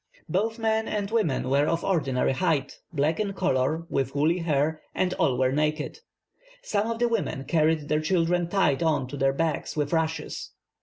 Both men and women were of ordinary height, black in colour, with woolly hair, and all were naked. Some of the women carried their children tied on to their backs with rushes.